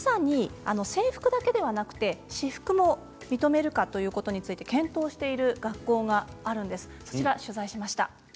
今まさに制服だけではなく私服も認めるかということについて検討している学校があります。